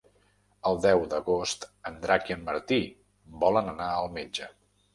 El deu d'agost en Drac i en Martí volen anar al metge.